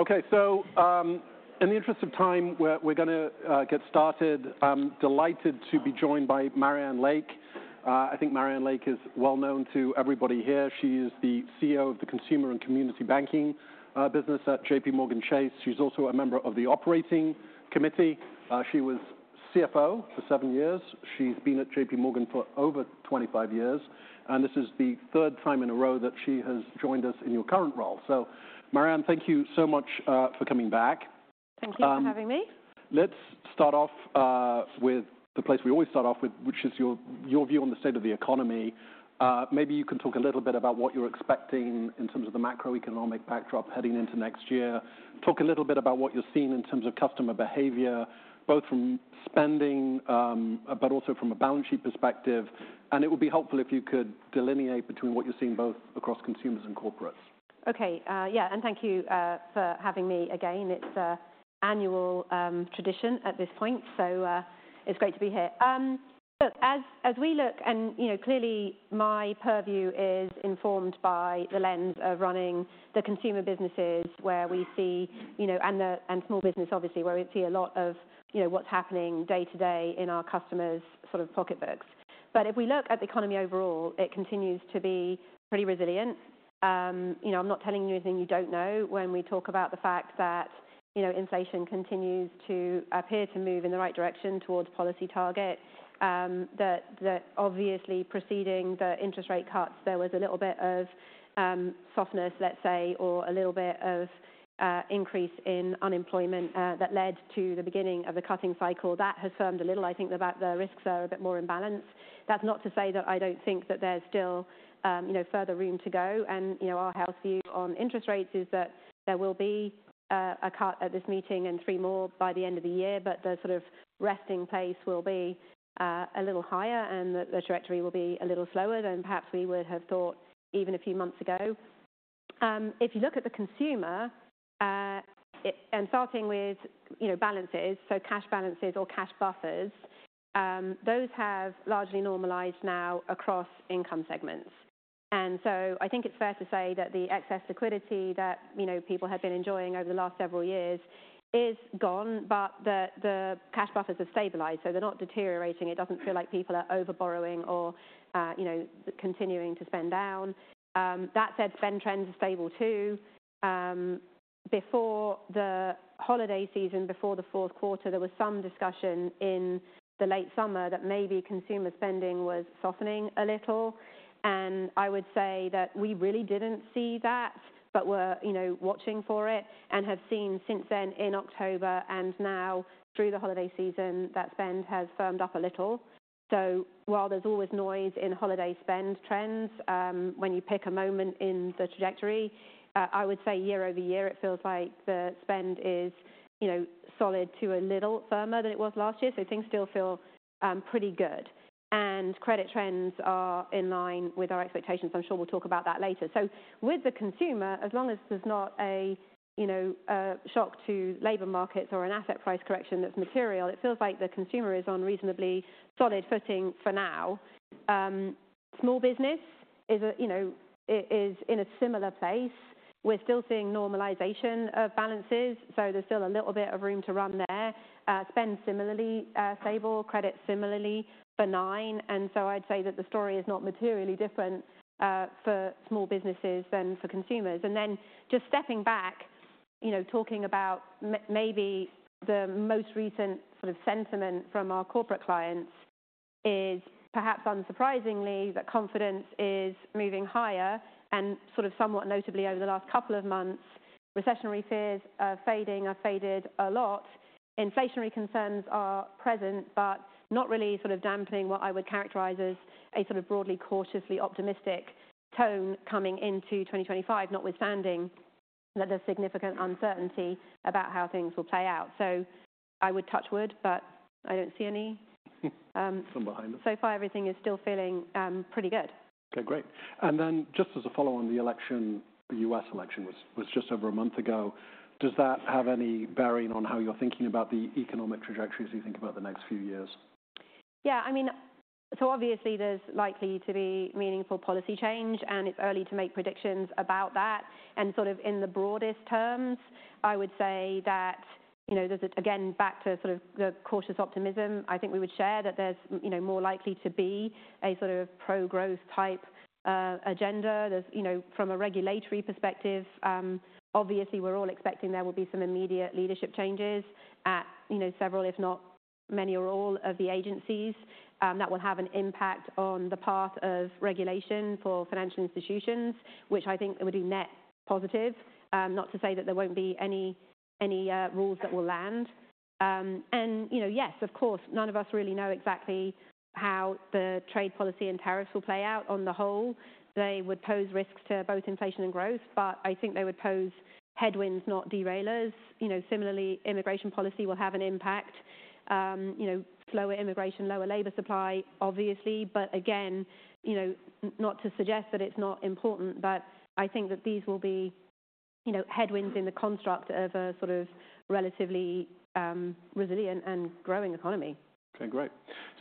Okay, so, in the interest of time, we're going to get started. I'm delighted to be joined by Marianne Lake. I think Marianne Lake is well known to everybody here. She is the CEO of the Consumer and Community Banking business at JPMorgan Chase. She's also a member of the Operating Committee. She was CFO for seven years. She's been at JPMorgan for over 25 years, and this is the third time in a row that she has joined us in your current role. So, Marianne, thank you so much for coming back. Thank you for having me. Let's start off with the place we always start off with, which is your view on the state of the economy. Maybe you can talk a little bit about what you're expecting in terms of the macroeconomic backdrop heading into next year. Talk a little bit about what you're seeing in terms of customer behavior, both from spending, but also from a balance sheet perspective. And it would be helpful if you could delineate between what you're seeing both across consumers and corporates. Okay, yeah, and thank you for having me again. It's an annual tradition at this point, so it's great to be here. Look, as we look, and you know, clearly my purview is informed by the lens of running the consumer businesses where we see, you know, and the small business, obviously, where we see a lot of what's happening day to day in our customers' sort of pocketbooks. But if we look at the economy overall, it continues to be pretty resilient. You know, I'm not telling you anything you don't know. When we talk about the fact that inflation continues to appear to move in the right direction towards policy target, that obviously preceding the interest rate cuts, there was a little bit of softness, let's say, or a little bit of increase in unemployment that led to the beginning of the cutting cycle. That has firmed a little. I think the risks are a bit more in balance. That's not to say that I don't think that there's still further room to go. And our held view on interest rates is that there will be a cut at this meeting and three more by the end of the year, but the sort of resting pace will be a little higher and the trajectory will be a little slower than perhaps we would have thought even a few months ago. If you look at the consumer, and starting with balances, so cash balances or cash buffers, those have largely normalized now across income segments. And so I think it's fair to say that the excess liquidity that people have been enjoying over the last several years is gone, but the cash buffers have stabilized, so they're not deteriorating. It doesn't feel like people are overborrowing or continuing to spend down. That said, spend trends are stable too. Before the holiday season, before the fourth quarter, there was some discussion in the late summer that maybe consumer spending was softening a little. And I would say that we really didn't see that, but we're watching for it and have seen since then in October and now through the holiday season that spend has firmed up a little. So while there's always noise in holiday spend trends, when you pick a moment in the trajectory, I would say year-over-year it feels like the spend is solid to a little firmer than it was last year. So things still feel pretty good. And credit trends are in line with our expectations. I'm sure we'll talk about that later. So with the consumer, as long as there's not a shock to labor markets or an asset price correction that's material, it feels like the consumer is on reasonably solid footing for now. Small business is in a similar place. We're still seeing normalization of balances, so there's still a little bit of room to run there. Spend similarly stable, credit similarly benign. And so I'd say that the story is not materially different for small businesses than for consumers. And then just stepping back, talking about maybe the most recent sort of sentiment from our corporate clients is perhaps unsurprisingly that confidence is moving higher and sort of somewhat notably over the last couple of months, recessionary fears are fading, have faded a lot. Inflationary concerns are present, but not really sort of dampening what I would characterize as a sort of broadly cautiously optimistic tone coming into 2025, notwithstanding that there's significant uncertainty about how things will play out. So I would touch wood, but I don't see any. Something behind it. So far everything is still feeling pretty good. Okay, great. And then just as a follow-on, the election, the U.S. election was just over a month ago. Does that have any bearing on how you're thinking about the economic trajectory as you think about the next few years? Yeah, I mean, so obviously there's likely to be meaningful policy change and it's early to make predictions about that, and sort of in the broadest terms, I would say that there's again, back to sort of the cautious optimism, I think we would share that there's more likely to be a sort of pro-growth type agenda. From a regulatory perspective, obviously we're all expecting there will be some immediate leadership changes at several, if not many or all of the agencies. That will have an impact on the path of regulation for financial institutions, which I think would be net positive. Not to say that there won't be any rules that will land, and yes, of course, none of us really know exactly how the trade policy and tariffs will play out on the whole. They would pose risks to both inflation and growth, but I think they would pose headwinds, not derailers. Similarly, immigration policy will have an impact. Slower immigration, lower labor supply, obviously, but again, not to suggest that it's not important, but I think that these will be headwinds in the construct of a sort of relatively resilient and growing economy. Okay, great.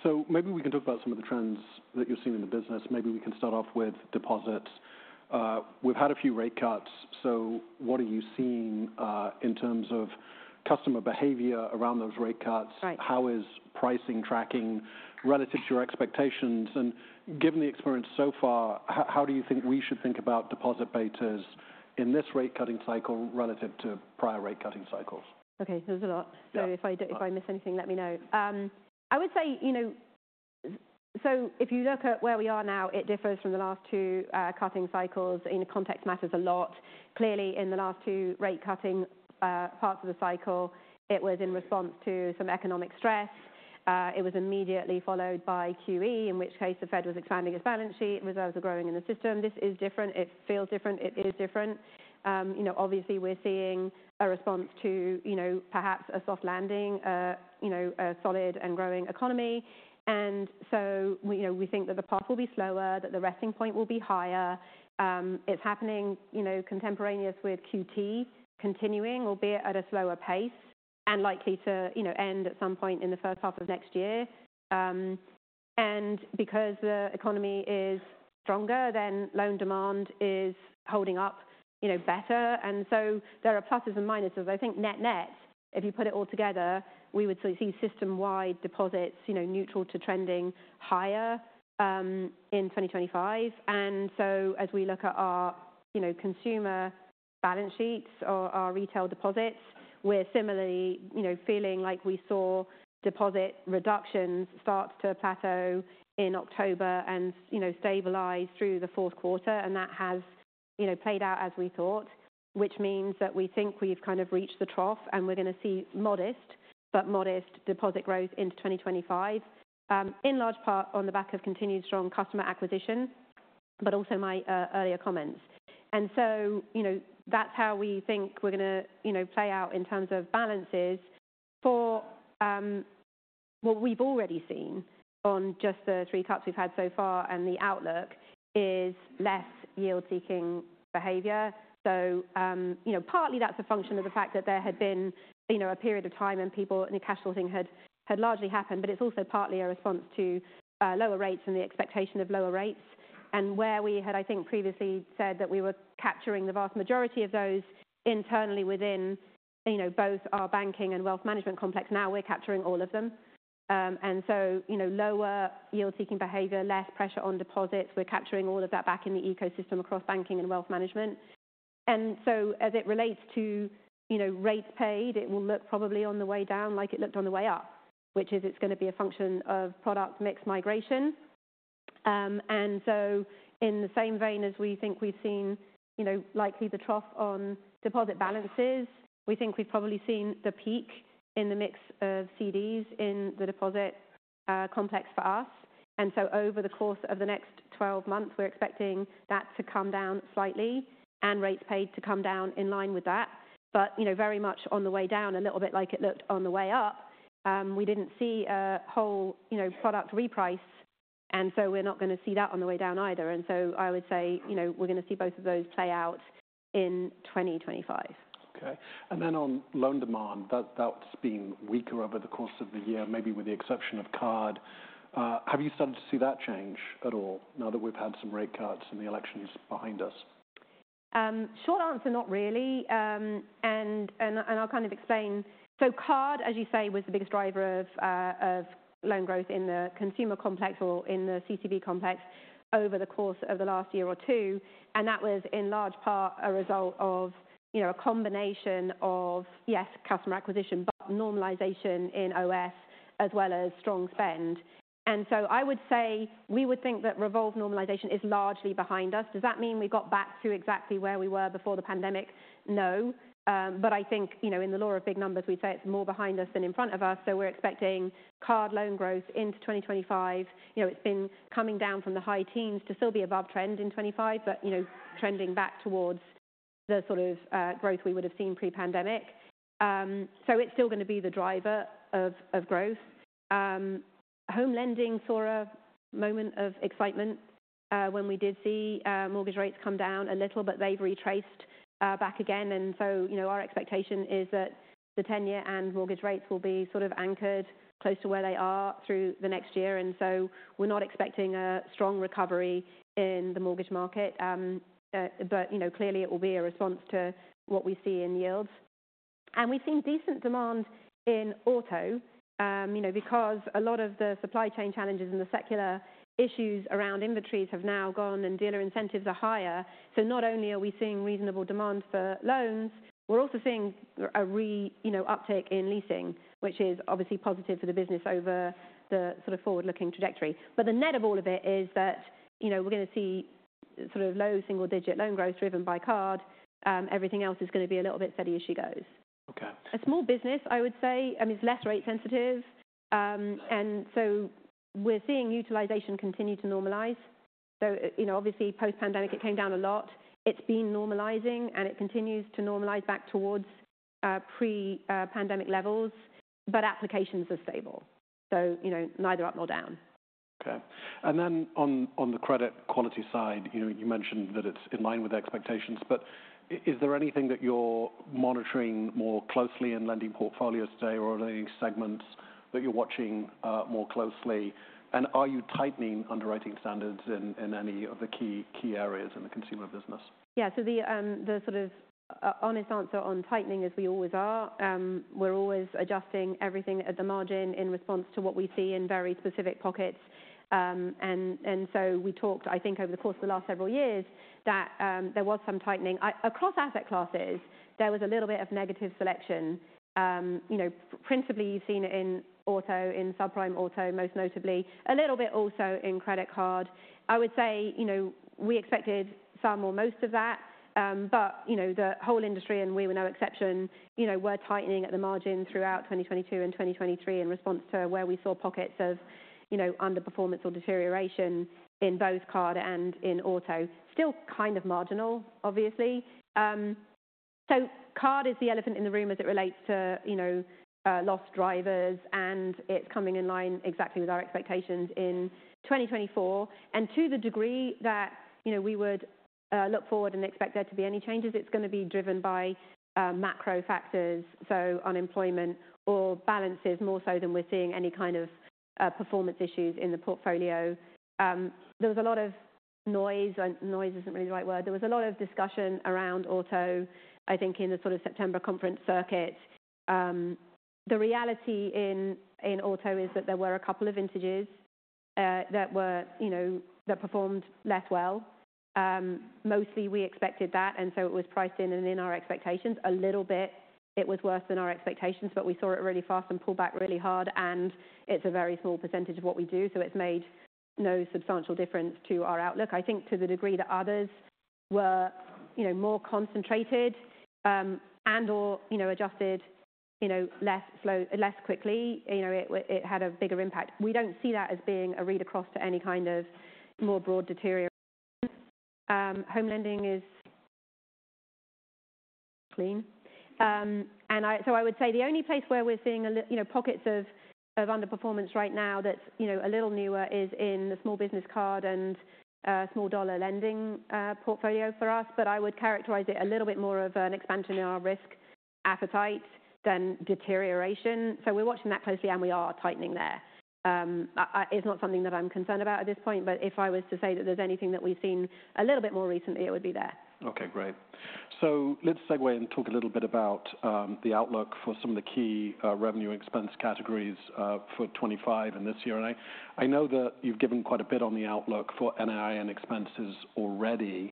So maybe we can talk about some of the trends that you're seeing in the business. Maybe we can start off with deposits. We've had a few rate cuts. So what are you seeing in terms of customer behavior around those rate cuts? How is pricing tracking relative to your expectations? And given the experience so far, how do you think we should think about deposit betas in this rate cutting cycle relative to prior rate cutting cycles? Okay, there's a lot, so if I miss anything, let me know. I would say, so if you look at where we are now, it differs from the last two cutting cycles. Context matters a lot. Clearly, in the last two rate cutting parts of the cycle, it was in response to some economic stress. It was immediately followed by QE, in which case the Fed was expanding its balance sheet. Reserves are growing in the system. This is different. It feels different. It is different. Obviously, we're seeing a response to perhaps a soft landing, a solid and growing economy, and so we think that the path will be slower, that the resting point will be higher. It's happening contemporaneously with QT continuing, albeit at a slower pace and likely to end at some point in the first half of next year. Because the economy is stronger, then loan demand is holding up better. There are pluses and minuses. I think net-net, if you put it all together, we would see system-wide deposits neutral to trending higher in 2025. As we look at our consumer balance sheets or our retail deposits, we're similarly feeling like we saw deposit reductions start to plateau in October and stabilize through the fourth quarter. That has played out as we thought, which means that we think we've kind of reached the trough and we're going to see modest, but modest deposit growth into 2025, in large part on the back of continued strong customer acquisition, but also my earlier comments. That's how we think we're going to play out in terms of balances. For what we've already seen on just the three cuts we've had so far and the outlook is less yield-seeking behavior. So partly that's a function of the fact that there had been a period of time and people in the cash sourcing had largely happened, but it's also partly a response to lower rates and the expectation of lower rates. And where we had, I think, previously said that we were capturing the vast majority of those internally within both our Banking & Wealth Management complex, now we're capturing all of them. And so lower yield-seeking behavior, less pressure on deposits, we're capturing all of that back in the ecosystem across Banking & Wealth Management. And so, as it relates to rates paid, it will look probably on the way down like it looked on the way up, which is it's going to be a function of product mix migration. And so, in the same vein, as we think we've seen likely the trough on deposit balances, we think we've probably seen the peak in the mix of CDs in the deposit complex for us. And so, over the course of the next 12 months, we're expecting that to come down slightly and rates paid to come down in line with that, but very much on the way down, a little bit like it looked on the way up. We didn't see a whole product reprice, and so we're not going to see that on the way down either. And so, I would say we're going to see both of those play out in 2025. Okay. And then on loan demand, that's been weaker over the course of the year, maybe with the exception of Card. Have you started to see that change at all now that we've had some rate cuts and the election's behind us? Short answer, not really. And I'll kind of explain. So Card, as you say, was the biggest driver of loan growth in the consumer complex or in the CCB complex over the course of the last year or two. And that was in large part a result of a combination of, yes, customer acquisition, but normalization in OS as well as strong spend. And so I would say we would think that revolve normalization is largely behind us. Does that mean we got back to exactly where we were before the pandemic? No. But I think in the lore of big numbers, we'd say it's more behind us than in front of us. So we're expecting Card loan growth into 2025. It's been coming down from the high teens to still be above trend in 2025, but trending back towards the sort of growth we would have seen pre-pandemic. So it's still going to be the driver of growth. Home Lending saw a moment of excitement when we did see mortgage rates come down a little, but they've retraced back again. And so our expectation is that the 10-year and mortgage rates will be sort of anchored close to where they are through the next year. And so we're not expecting a strong recovery in the mortgage market, but clearly it will be a response to what we see in yields. And we've seen decent demand in Auto because a lot of the supply chain challenges and the secular issues around inventories have now gone and dealer incentives are higher. So not only are we seeing reasonable demand for loans, we're also seeing a re-uptake in leasing, which is obviously positive for the business over the sort of forward-looking trajectory. But the net of all of it is that we're going to see sort of low single-digit loan growth driven by Card. Everything else is going to be a little bit steady as she goes. A small business, I would say, I mean, it's less rate sensitive, and so we're seeing utilization continue to normalize, so obviously post-pandemic, it came down a lot. It's been normalizing and it continues to normalize back towards pre-pandemic levels, but applications are stable, so neither up nor down. Okay, and then on the credit quality side, you mentioned that it's in line with expectations, but is there anything that you're monitoring more closely in lending portfolios today or lending segments that you're watching more closely, and are you tightening underwriting standards in any of the key areas in the consumer business? Yeah, so the sort of honest answer on tightening is we always are. We're always adjusting everything at the margin in response to what we see in very specific pockets, and so we talked, I think over the course of the last several years that there was some tightening. Across asset classes, there was a little bit of negative selection. Principally, you've seen it in Auto, in subprime Auto most notably, a little bit also in credit card. I would say we expected some or most of that, but the whole industry and we were no exception, we're tightening at the margin throughout 2022 and 2023 in response to where we saw pockets of underperformance or deterioration in both Card and in Auto. Still kind of marginal, obviously. Card is the elephant in the room as it relates to lost drivers and it's coming in line exactly with our expectations in 2024. To the degree that we would look forward and expect there to be any changes, it's going to be driven by macro factors, so unemployment or balances more so than we're seeing any kind of performance issues in the portfolio. There was a lot of noise, noise isn't really the right word. There was a lot of discussion around Auto, I think in the sort of September conference circuit. The reality in Auto is that there were a couple of vintages that performed less well. Mostly we expected that, and so it was priced in and in our expectations a little bit. It was worse than our expectations, but we saw it really fast and pull back really hard. It's a very small percentage of what we do, so it's made no substantial difference to our outlook. I think to the degree that others were more concentrated and/or adjusted less quickly, it had a bigger impact. We don't see that as being a read across to any kind of more broad deterioration. Home Lending is clean. So I would say the only place where we're seeing pockets of underperformance right now that's a little newer is in the small business card and small dollar lending portfolio for us, but I would characterize it a little bit more of an expansion in our risk appetite than deterioration. We're watching that closely and we are tightening there. It's not something that I'm concerned about at this point, but if I was to say that there's anything that we've seen a little bit more recently, it would be there. Okay, great. So let's segue and talk a little bit about the outlook for some of the key revenue expense categories for 2025 and this year. And I know that you've given quite a bit on the outlook for NII and expenses already,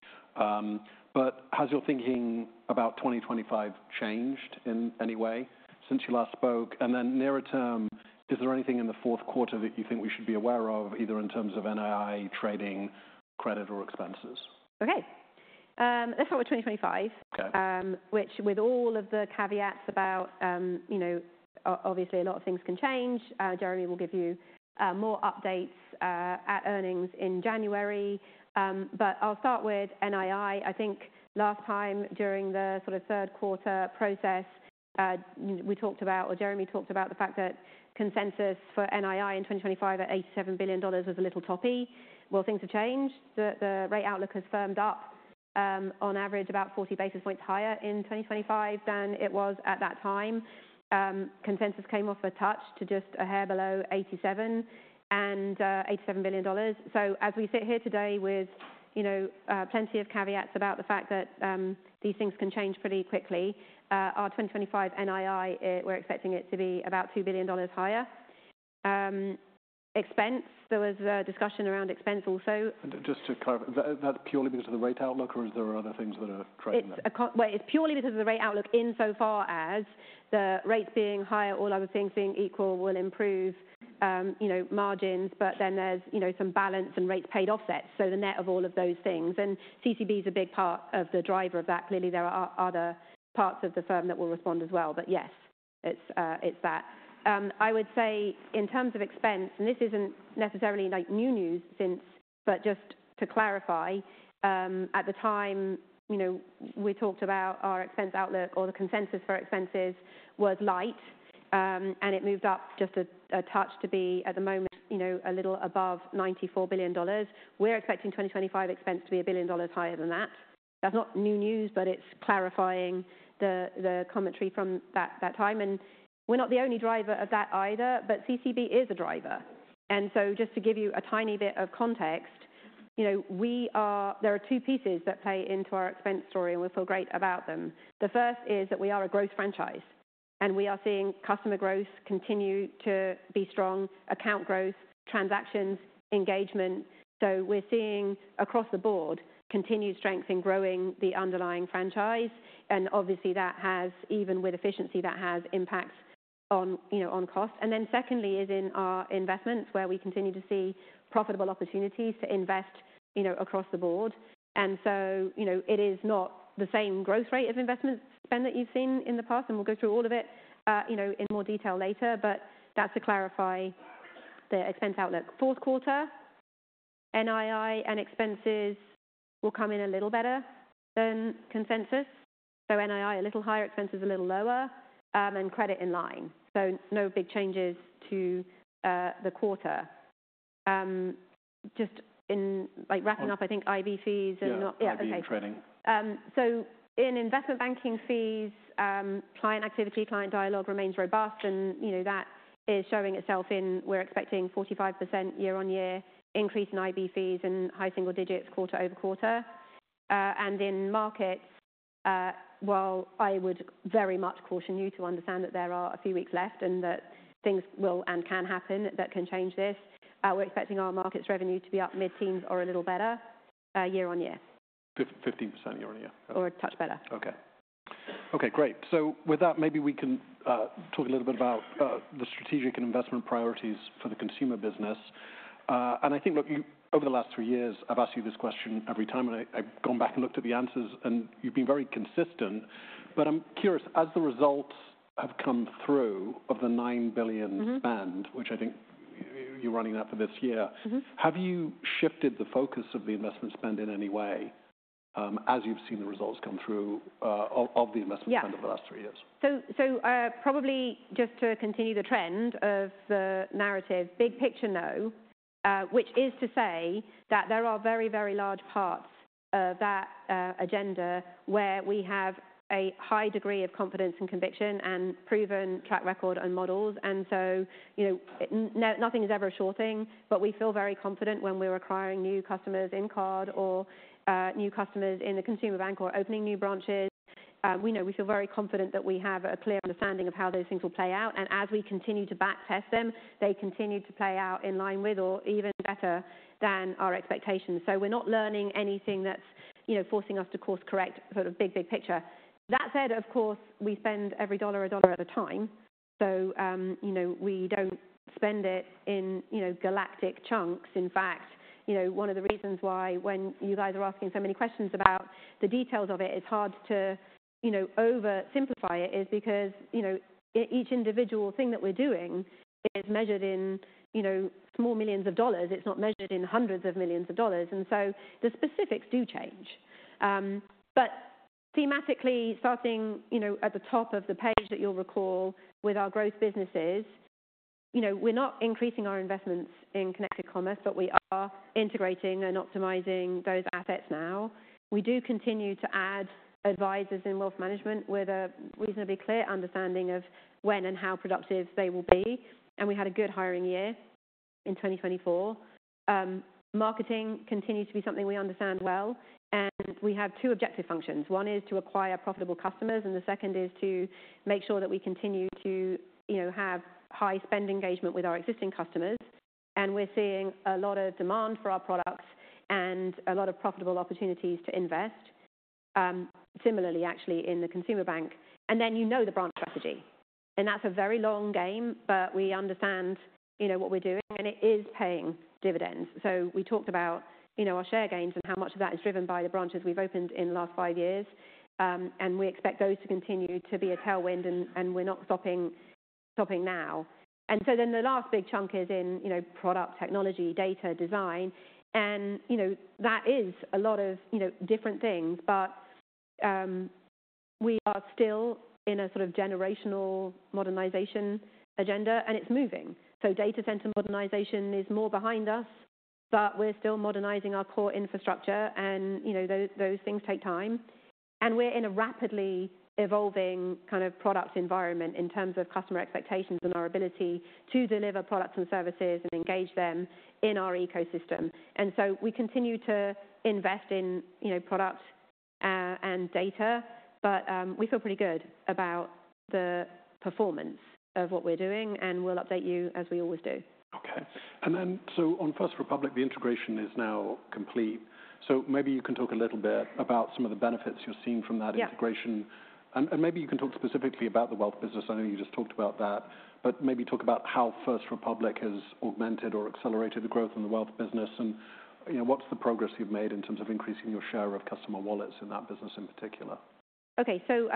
but has your thinking about 2025 changed in any way since you last spoke? And then nearer term, is there anything in the fourth quarter that you think we should be aware of, either in terms of NII trading, credit, or expenses? Okay. Let's start with 2025, which, with all of the caveats about obviously a lot of things can change. Jeremy will give you more updates at earnings in January, but I'll start with NII. I think last time during the sort of third quarter process, we talked about, or Jeremy talked about the fact that consensus for NII in 2025 at $87 billion was a little toppy. Well, things have changed. The rate outlook has firmed up on average about 40 basis points higher in 2025 than it was at that time. Consensus came off a touch to just a hair below $87 billion. So as we sit here today with plenty of caveats about the fact that these things can change pretty quickly, our 2025 NII, we're expecting it to be about $2 billion higher. Expense, there was a discussion around expense also. Just to clarify, that purely because of the rate outlook or is there other things that are trading? It's purely because of the rate outlook in so far as the rates being higher, all other things being equal will improve margins, but then there's some balance and rates paid offsets. So the net of all of those things, and CCB is a big part of the driver of that. Clearly, there are other parts of the firm that will respond as well, but yes, it's that. I would say in terms of expense, and this isn't necessarily new news since, but just to clarify, at the time we talked about our expense outlook or the consensus for expenses was light and it moved up just a touch to be at the moment a little above $94 billion. We're expecting 2025 expense to be $1 billion higher than that. That's not new news, but it's clarifying the commentary from that time. And we're not the only driver of that either, but CCB is a driver. And so just to give you a tiny bit of context, there are two pieces that play into our expense story and we feel great about them. The first is that we are a growth franchise and we are seeing customer growth continue to be strong, account growth, transactions, engagement. So we're seeing across the board continued strength in growing the underlying franchise. And obviously that has, even with efficiency, impacts on cost. And then secondly is in our investments where we continue to see profitable opportunities to invest across the board. And so it is not the same growth rate of investment spend that you've seen in the past, and we'll go through all of it in more detail later, but that's to clarify the expense outlook. Fourth quarter, NII and expenses will come in a little better than consensus. So NII a little higher, expenses a little lower, and credit in line. So no big changes to the quarter. Just in wrapping up, I think IB fees and not. Yeah, IB trading. So, in investment banking fees, client activity and client dialogue remains robust, and that is showing itself in we're expecting 45% year-on-year increase in IB fees and high single digits quarter over quarter. And in markets, while I would very much caution you to understand that there are a few weeks left and that things will and can happen that can change this, we're expecting our markets revenue to be up mid-teens or a little better year-on-year. 15% year-on-year. Or a touch better. Okay. Okay, great. So with that, maybe we can talk a little bit about the strategic investment priorities for the consumer business. And I think, look, over the last three years, I've asked you this question every time, and I've gone back and looked at the answers, and you've been very consistent. But I'm curious, as the results have come through of the $9 billion spend, which I think you're running out for this year, have you shifted the focus of the investment spend in any way as you've seen the results come through of the investment spend over the last three years? So probably just to continue the trend of the narrative, big picture no, which is to say that there are very, very large parts of that agenda where we have a high degree of confidence and conviction and proven track record and models. And so nothing is ever a sure thing, but we feel very confident when we're acquiring new customers in Card or new customers in the Consumer Bank or opening new branches. We know we feel very confident that we have a clear understanding of how those things will play out. And as we continue to back test them, they continue to play out in line with or even better than our expectations. So we're not learning anything that's forcing us to course correct sort of big, big picture. That said, of course, we spend every dollar a dollar at a time. So we don't spend it in galactic chunks. In fact, one of the reasons why when you guys are asking so many questions about the details of it, it's hard to oversimplify it is because each individual thing that we're doing is measured in small millions of dollars. It's not measured in hundreds of millions of dollars. And so the specifics do change. But thematically, starting at the top of the page that you'll recall with our growth businesses, we're not increasing our investments in Connected Commerce, but we are integrating and optimizing those assets now. We do continue to add advisors in Wealth Management with a reasonably clear understanding of when and how productive they will be. And we had a good hiring year in 2024. Marketing continues to be something we understand well. And we have two objective functions. One is to acquire profitable customers, and the second is to make sure that we continue to have high spend engagement with our existing customers. And we're seeing a lot of demand for our products and a lot of profitable opportunities to invest. Similarly, actually, in the Consumer Bank. And then you know the branch strategy. And that's a very long game, but we understand what we're doing, and it is paying dividends. So we talked about our share gains and how much of that is driven by the branches we've opened in the last five years. And we expect those to continue to be a tailwind, and we're not stopping now. And so then the last big chunk is in product technology, data design. And that is a lot of different things, but we are still in a sort of generational modernization agenda, and it's moving. So data center modernization is more behind us, but we're still modernizing our core infrastructure, and those things take time. And we're in a rapidly evolving kind of product environment in terms of customer expectations and our ability to deliver products and services and engage them in our ecosystem. And so we continue to invest in product and data, but we feel pretty good about the performance of what we're doing, and we'll update you as we always do. Okay. And then, so, on First Republic, the integration is now complete. So maybe you can talk a little bit about some of the benefits you're seeing from that integration. And maybe you can talk specifically about the wealth business. I know you just talked about that, but maybe talk about how First Republic has augmented or accelerated the growth in the wealth business and what's the progress you've made in terms of increasing your share of customer wallets in that business in particular. Okay, so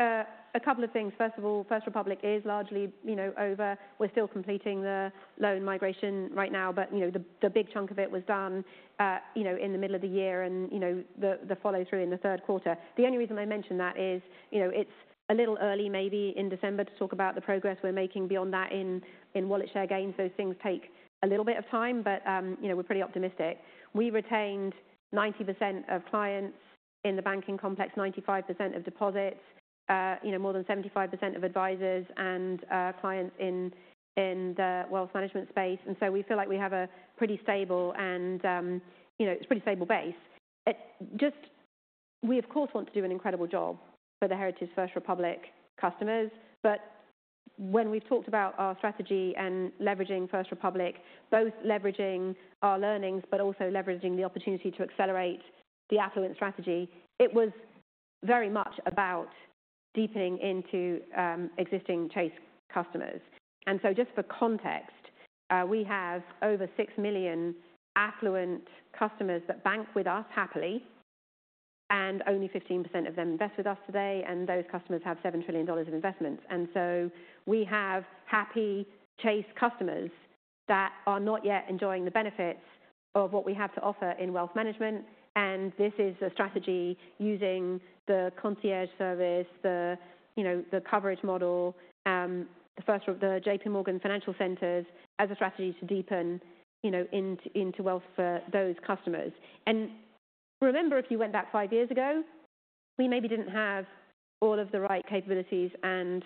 a couple of things. First of all, First Republic is largely over. We're still completing the loan migration right now, but the big chunk of it was done in the middle of the year and the follow-through in the third quarter. The only reason I mention that is it's a little early maybe in December to talk about the progress we're making beyond that in wallet share gains. Those things take a little bit of time, but we're pretty optimistic. We retained 90% of clients in the banking complex, 95% of deposits, more than 75% of advisors and clients in the Wealth Management space. And so we feel like we have a pretty stable base, and it's a pretty stable base. Just, we, of course, want to do an incredible job for the heritage First Republic customers, but when we've talked about our strategy and leveraging First Republic, both leveraging our learnings, but also leveraging the opportunity to accelerate the affluent strategy, it was very much about deepening into existing Chase customers. And so just for context, we have over six million affluent customers that bank with us happily, and only 15% of them invest with us today, and those customers have $7 trillion of investments. And so we have happy Chase customers that are not yet enjoying the benefits of what we have to offer in Wealth Management. And this is a strategy using the concierge service, the coverage model, the JPMorgan Financial Centers as a strategy to deepen into wealth for those customers. And remember, if you went back five years ago, we maybe didn't have all of the right capabilities and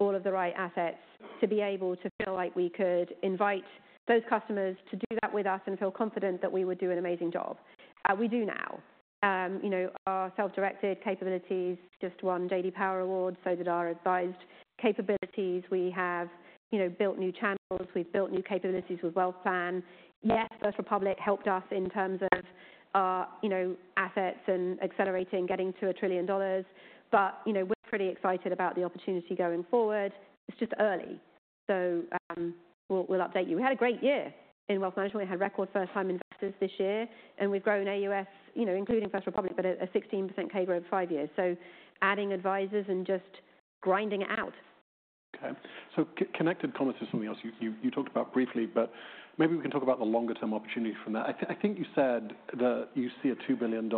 all of the right assets to be able to feel like we could invite those customers to do that with us and feel confident that we would do an amazing job. We do now. Our self-directed capabilities just won J.D. Power awards, so did our advised capabilities. We have built new channels. We've built new capabilities with Wealth Plan. Yes, First Republic helped us in terms of assets and accelerating getting to $1 trillion, but we're pretty excited about the opportunity going forward. It's just early, so we'll update you. We had a great year in Wealth Management. We had record first-time investors this year, and we've grown AUS, including First Republic, but a 16% CAGR growth five years. So adding advisors and just grinding it out. Okay. So Connected Commerce is something else you talked about briefly, but maybe we can talk about the longer-term opportunity from that. I think you said that you see a $2 billion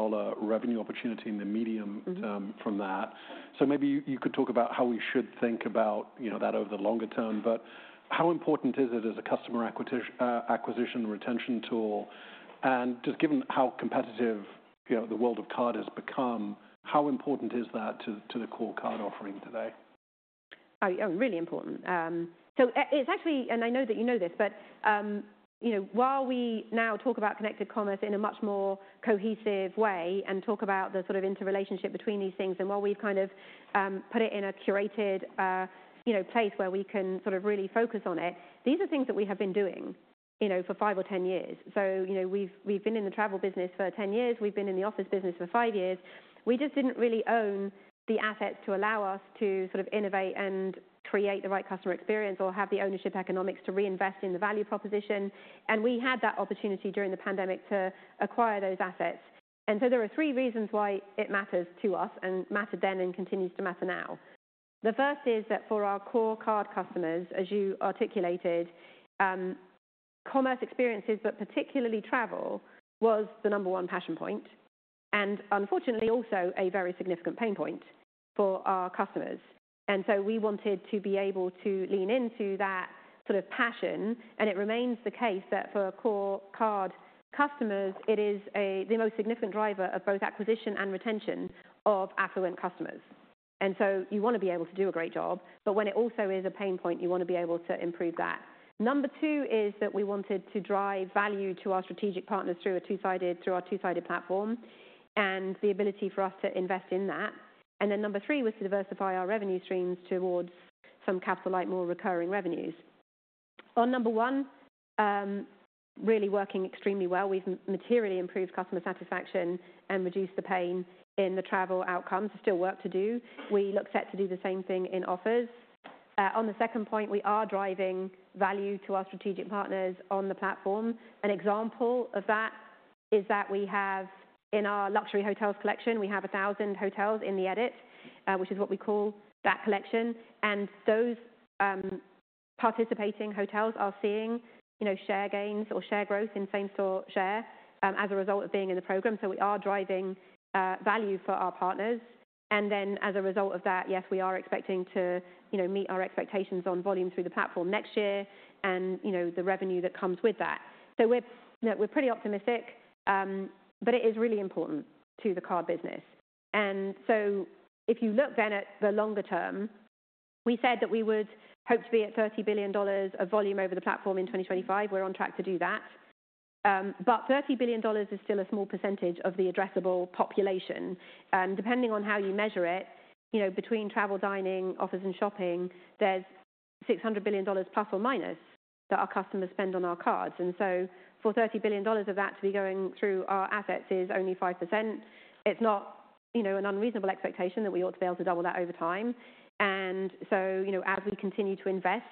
revenue opportunity in the medium term from that. So maybe you could talk about how we should think about that over the longer term, but how important is it as a customer acquisition and retention tool? And just given how competitive the world of Card has become, how important is that to the core Card offering today? Oh, really important. So it's actually, and I know that you know this, but while we now talk about Connected Commerce in a much more cohesive way and talk about the sort of interrelationship between these things, and while we've kind of put it in a curated place where we can sort of really focus on it, these are things that we have been doing for five or 10 years. So we've been in the travel business for 10 years. We've been in the offers business for five years. We just didn't really own the assets to allow us to sort of innovate and create the right customer experience or have the ownership economics to reinvest in the value proposition. And we had that opportunity during the pandemic to acquire those assets. And so there are three reasons why it matters to us and mattered then and continues to matter now. The first is that for our core Card customers, as you articulated, commerce experiences, but particularly travel, was the number one passion point and unfortunately also a very significant pain point for our customers. And so we wanted to be able to lean into that sort of passion. And it remains the case that for core Card customers, it is the most significant driver of both acquisition and retention of affluent customers. And so you want to be able to do a great job, but when it also is a pain point, you want to be able to improve that. Number two is that we wanted to drive value to our strategic partners through our two-sided platform and the ability for us to invest in that. And then number three was to diversify our revenue streams towards some capital-like more recurring revenues. On number one, really working extremely well. We've materially improved customer satisfaction and reduced the pain in the travel outcomes. There's still work to do. We look set to do the same thing in offers. On the second point, we are driving value to our strategic partners on the platform. An example of that is that we have in our luxury hotels collection, we have 1,000 hotels in The Edit, which is what we call that collection. And those participating hotels are seeing share gains or share growth in same-store share as a result of being in the program. So we are driving value for our partners. And then as a result of that, yes, we are expecting to meet our expectations on volume through the platform next year and the revenue that comes with that. So we're pretty optimistic, but it is really important to the Card business. And so if you look then at the longer term, we said that we would hope to be at $30 billion of volume over the platform in 2025. We're on track to do that. But $30 billion is still a small percentage of the addressable population. And depending on how you measure it, between travel, dining, offers, and shopping, there's $600 billion± that our customers spend on our cards. And so for $30 billion of that to be going through our assets is only 5%. It's not an unreasonable expectation that we ought to be able to double that over time. And so as we continue to invest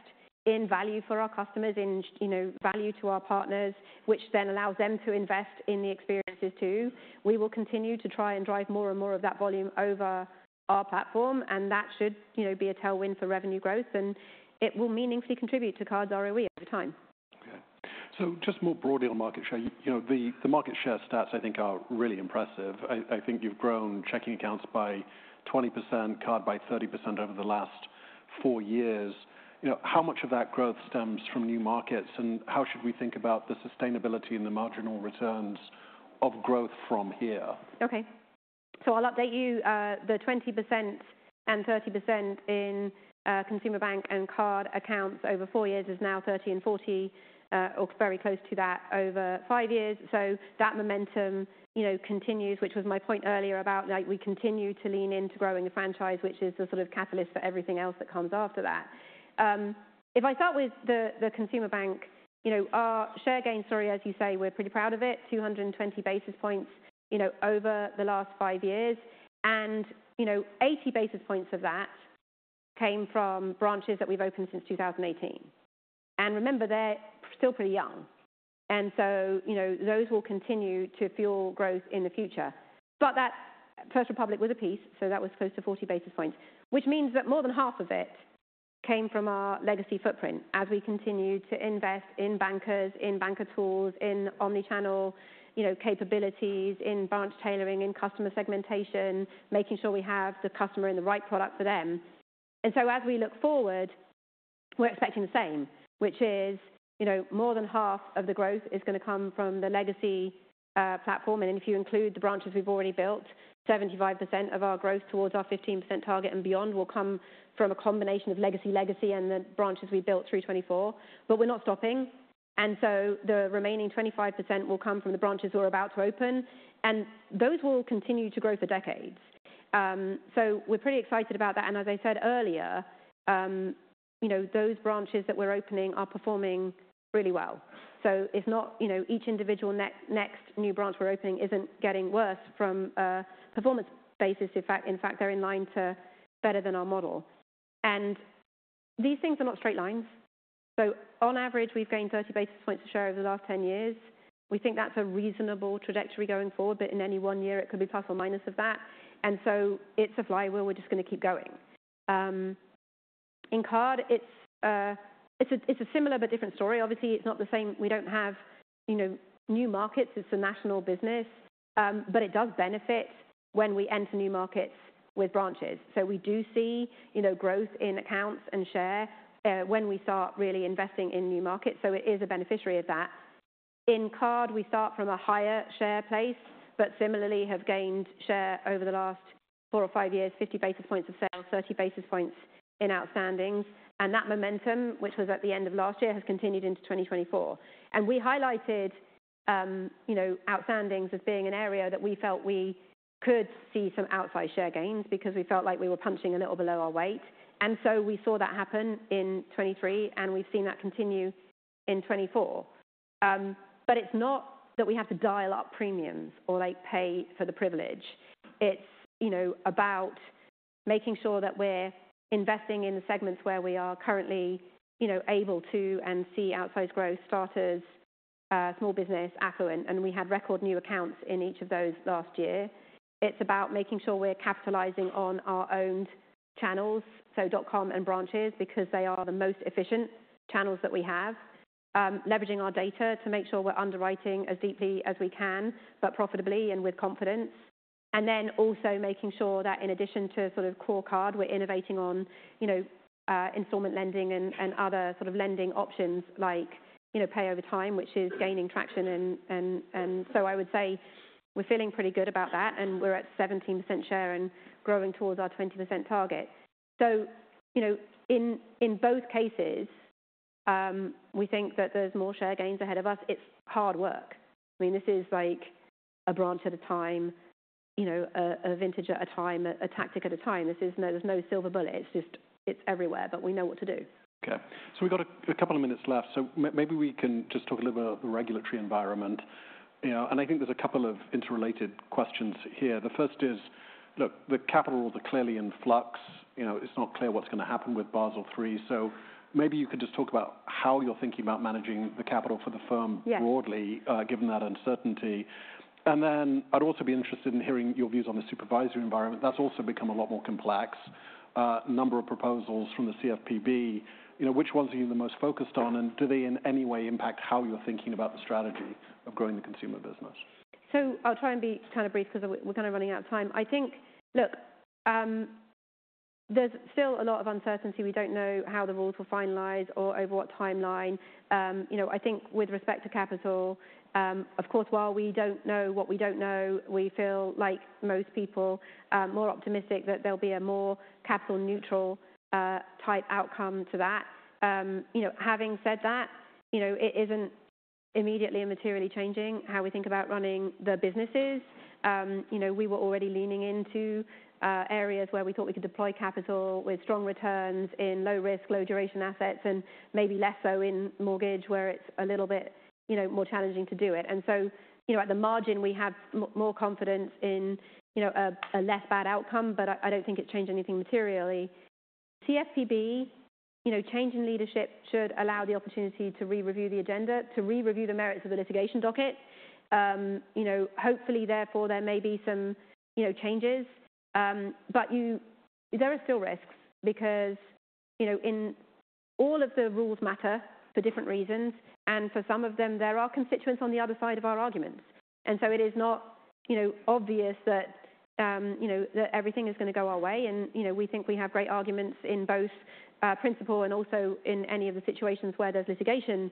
in value for our customers, in value to our partners, which then allows them to invest in the experiences too, we will continue to try and drive more and more of that volume over our platform. And that should be a tailwind for revenue growth, and it will meaningfully contribute to Cards ROE over time. Okay, so just more broadly on market share, the market share stats I think are really impressive. I think you've grown checking accounts by 20%, card by 30% over the last four years. How much of that growth stems from new markets, and how should we think about the sustainability and the marginal returns of growth from here? Okay, so I'll update you. The 20% and 30% in Consumer Bank and card accounts over four years is now 30% and 40%, or very close to that over five years, so that momentum continues, which was my point earlier about we continue to lean into growing a franchise, which is the sort of catalyst for everything else that comes after that. If I start with the Consumer Bank, our share gain story, as you say, we're pretty proud of it, 220 basis points over the last five years, and 80 basis points of that came from branches that we've opened since 2018, and remember, they're still pretty young, and so those will continue to fuel growth in the future. But that First Republic was a piece, so that was close to 40 basis points, which means that more than half of it came from our legacy footprint as we continue to invest in bankers, in banker tools, in omnichannel capabilities, in branch tailoring, in customer segmentation, making sure we have the customer in the right product for them. And so as we look forward, we're expecting the same, which is more than half of the growth is going to come from the legacy platform. And if you include the branches we've already built, 75% of our growth towards our 15% target and beyond will come from a combination of legacy, legacy, and the branches we built through 2024. But we're not stopping. And so the remaining 25% will come from the branches we're about to open, and those will continue to grow for decades. So we're pretty excited about that. And as I said earlier, those branches that we're opening are performing really well. So each individual next new branch we're opening isn't getting worse from a performance basis. In fact, they're in line to better than our model. And these things are not straight lines. So on average, we've gained 30 basis points of share over the last 10 years. We think that's a reasonable trajectory going forward, but in any one year, it could be plus or minus of that. And so it's a flywheel. We're just going to keep going. In Card, it's a similar but different story. Obviously, it's not the same. We don't have new markets. It's a national business, but it does benefit when we enter new markets with branches. So we do see growth in accounts and share when we start really investing in new markets. It is a beneficiary of that. In Card, we start from a higher share base, but similarly have gained share over the last four or five years, 50 basis points of sale, 30 basis points in outstandings. And that momentum, which was at the end of last year, has continued into 2024. And we highlighted outstandings as being an area that we felt we could see some outsized share gains because we felt like we were punching a little below our weight. And so we saw that happen in 2023, and we've seen that continue in 2024. But it's not that we have to dial up premiums or pay for the privilege. It's about making sure that we're investing in the segments where we are currently able to and see outsized growth, starters, small business, affluent. And we had record new accounts in each of those last year. It's about making sure we're capitalizing on our owned channels, so dot com and branches, because they are the most efficient channels that we have, leveraging our data to make sure we're underwriting as deeply as we can, but profitably and with confidence. And then also making sure that in addition to sort of core card, we're innovating on installment lending and other sort of lending options like Pay Over Time, which is gaining traction. And so I would say we're feeling pretty good about that, and we're at 17% share and growing towards our 20% target. So in both cases, we think that there's more share gains ahead of us. It's hard work. I mean, this is like a branch at a time, a vintage at a time, a tactic at a time. There's no silver bullet. It's just it's everywhere, but we know what to do. Okay. So we've got a couple of minutes left. So maybe we can just talk a little bit about the regulatory environment. And I think there's a couple of interrelated questions here. The first is, look, the capital is clearly in flux. It's not clear what's going to happen with Basel III. So maybe you could just talk about how you're thinking about managing the capital for the Firm broadly, given that uncertainty. And then I'd also be interested in hearing your views on the supervisory environment. That's also become a lot more complex. A number of proposals from the CFPB, which ones are you the most focused on, and do they in any way impact how you're thinking about the strategy of growing the consumer business? So I'll try and be kind of brief because we're kind of running out of time. I think, look, there's still a lot of uncertainty. We don't know how the rules will finalize or over what timeline. I think with respect to capital, of course, while we don't know what we don't know, we feel like most people are more optimistic that there'll be a more capital-neutral type outcome to that. Having said that, it isn't immediately and materially changing how we think about running the businesses. We were already leaning into areas where we thought we could deploy capital with strong returns in low-risk, low-duration assets and maybe less so in mortgage where it's a little bit more challenging to do it. And so at the margin, we have more confidence in a less bad outcome, but I don't think it's changed anything materially. CFPB change in leadership should allow the opportunity to re-review the agenda, to re-review the merits of the litigation docket. Hopefully, therefore, there may be some changes. But there are still risks because all of the rules matter for different reasons. And for some of them, there are constituents on the other side of our arguments. And so it is not obvious that everything is going to go our way. And we think we have great arguments in both principle and also in any of the situations where there's litigation.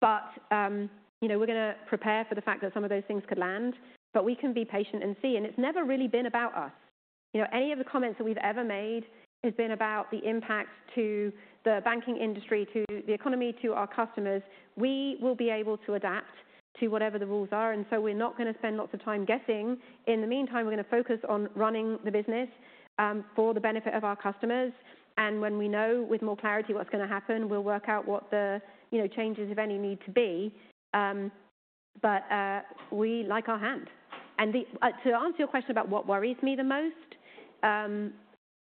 But we're going to prepare for the fact that some of those things could land. But we can be patient and see. And it's never really been about us. Any of the comments that we've ever made has been about the impact to the banking industry, to the economy, to our customers. We will be able to adapt to whatever the rules are, and so we're not going to spend lots of time guessing. In the meantime, we're going to focus on running the business for the benefit of our customers, and when we know with more clarity what's going to happen, we'll work out what the changes, if any, need to be, but we like our hand, and to answer your question about what worries me the most,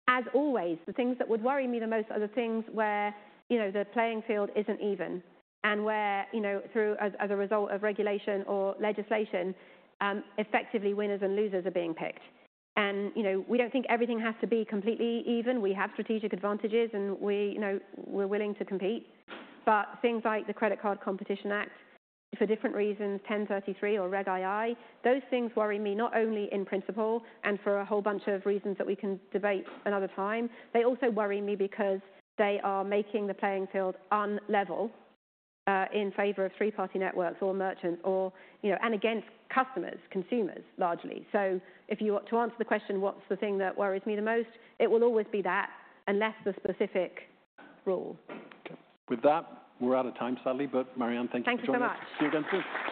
as always, the things that would worry me the most are the things where the playing field isn't even and where, as a result of regulation or legislation, effectively winners and losers are being picked, and we don't think everything has to be completely even. We have strategic advantages, and we're willing to compete. But things like the Credit Card Competition Act, for different reasons, 1033 or Reg II, those things worry me not only in principle and for a whole bunch of reasons that we can debate another time. They also worry me because they are making the playing field unlevel in favor of three-party networks or merchants and against customers, consumers largely. So if you were to answer the question, what's the thing that worries me the most, it will always be that unless the specific rule. With that, we're out of time, sadly, but Marianne, thank you for coming. Thank you so much. See you again soon.